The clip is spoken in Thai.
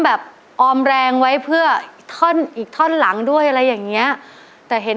วินินำเสนอไปเป็นที่เรียบร้อยแล้ว